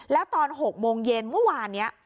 แล้วตอน๖โมงเย็นเมื่อวานนี้